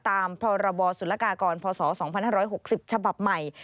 ตามพรบศุลกากรพศ๒๕๖๐ฉบับใหม่